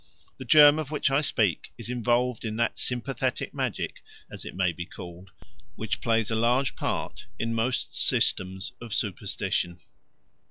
The germ of which I speak is involved in that sympathetic magic, as it may be called, which plays a large part in most systems of superstition.